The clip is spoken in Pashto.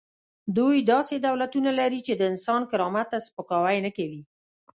دوی داسې دولتونه لري چې د انسان کرامت ته سپکاوی نه کوي.